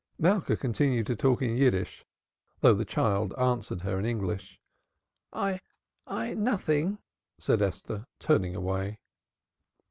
Malka continued to talk in Yiddish though the child answered her in English. "I I nothing," said Esther, turning away.